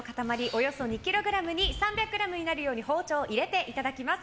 およそ２ｋｇに３００ｇになるように包丁を入れていただきます。